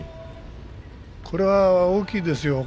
これは大きいですよ。